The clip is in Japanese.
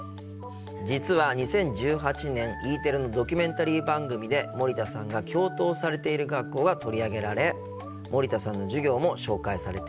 実は２０１８年Ｅテレのドキュメンタリー番組で森田さんが教頭をされている学校が取り上げられ森田さんの授業も紹介されていたんです。